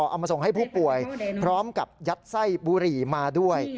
เอามาส่งให้ผู้ป่วยพร้อมกับยัดไส้บุหรี่มาด้วย